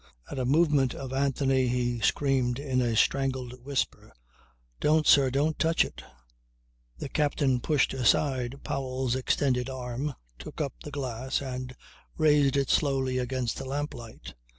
At a movement of Anthony he screamed in a strangled whisper. "Don't, sir! Don't touch it." The captain pushed aside Powell's extended arm, took up the glass and raised it slowly against the lamplight.